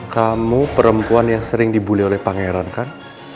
kamu perempuan yang sering dibully oleh pangeran kan